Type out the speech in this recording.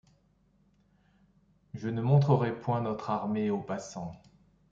Je ne montrerais point notre armée aux passants !